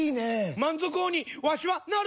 満足王にわしはなる！